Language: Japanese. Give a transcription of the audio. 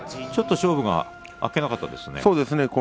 ちょっと勝負があっけなかったですね。